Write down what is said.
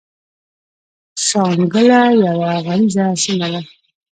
شانګله يوه غريزه سيمه ده ـ